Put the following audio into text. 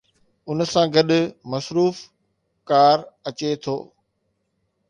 ان سان گڏ "مصروف ڪار" اچي ٿو.